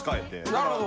なるほど。